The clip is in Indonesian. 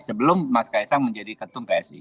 sebelum mas kaisang menjadi ketum psi